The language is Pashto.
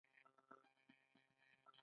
آیا کاناډا امریکا ته تیل نه ورکوي؟